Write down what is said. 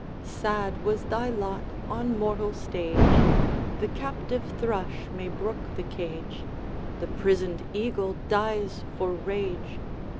'Sad was thy lot on mortal stage! The captive thrush may brook the cage, The prisoned eagle dies for rage.